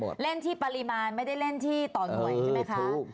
เล่นที่ปริมาณไม่ได้เล่นที่ต่อหน่วยใช่ไหมคะ